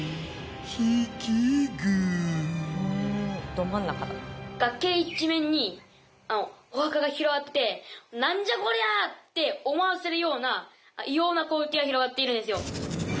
「ど真ん中だ」なんじゃこりゃ！って思わせるような異様な光景が広がっているんですよ。